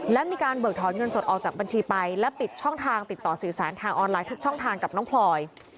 และมีการเบิกถอนเงินสดออกจากบัญชีไปและปิดช่องทางติดต่อสื่อสารทางออนไลน์ทุกช่องทางกับน้องพลอย